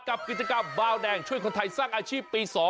กับกิจกรรมบาวแดงช่วยคนไทยสร้างอาชีพปี๒